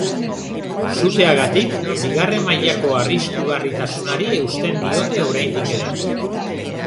Suteagatik, bigarren mailako arriskugarritasunari eusten diote oraindik ere.